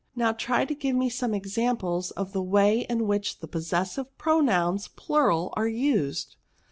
Now, try to give me some exam ples of the way in which the possessive pro nouns plural are used?"